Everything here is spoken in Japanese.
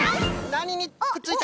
なににくっついた？